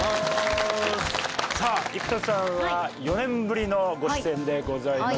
さあ生田さんは４年ぶりのご出演でございます。